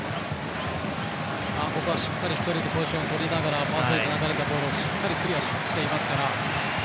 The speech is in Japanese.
しっかり１人でポジションをとりながらファーサイド上げられたボールをしっかりクリアしていますから。